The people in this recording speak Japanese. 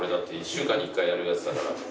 １週間に１回やるやつだから。